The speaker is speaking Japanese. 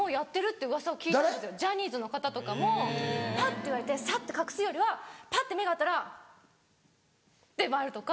ジャニーズの方とかもパッて言われてサッと隠すよりはパッて目が合ったら。って回るとか。